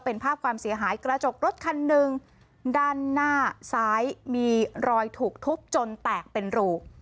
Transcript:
เป็นภาพความเสียหายกระจกรถคันหนึ่งด้านหน้าซ้ายมีรอยถูกทุบจนแตกเป็นรู